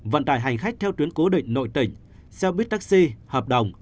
vận tải hành khách theo tuyến cố định nội tỉnh xe buýt taxi hợp đồng